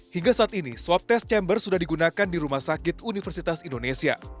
hingga saat ini swab test chamber sudah digunakan di rumah sakit universitas indonesia